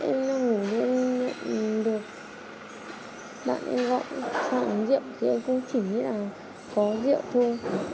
em đang ở bên được bạn em gọi cho ăn rượu thì em cũng chỉ nghĩ là có rượu thôi